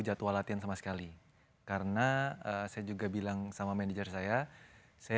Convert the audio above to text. tapi mungkin memang karena pada saat itu setelah habis juara nation games terus langsung keluar di indonesia